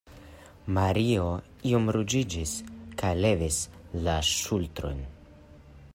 Mario iom ruĝiĝis kaj levis la ŝultrojn.